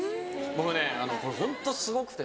僕ねホントすごくて。